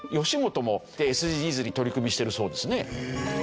吉本もＳＤＧｓに取り組みしてるそうですね。